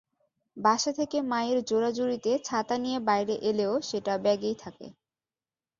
বাসা থেকে মায়ের জোরাজুরিতে ছাতা নিয়ে বাইরে এলেও সেটা ব্যাগেই থাকে।